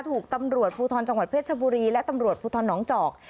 ถูกตำรวจภูทรจังหวัดเพชรชบุรีและตำรวจภูทรน้องจอก